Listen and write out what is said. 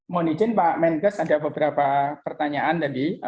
mohon izin pak menkes ada beberapa pertanyaan tadi